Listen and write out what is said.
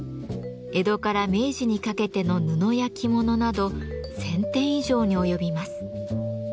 江戸から明治にかけての布や着物など１，０００点以上に及びます。